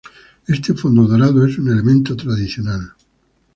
Este fondo dorado es un elemento tradicional.